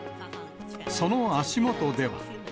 その足元では。